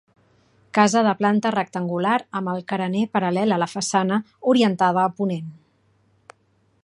Casa de planta rectangular amb el carener paral·lel a la façana, orientada a ponent.